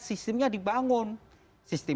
sistemnya dibangun sistem